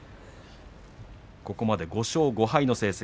ここまで５勝５敗の成績。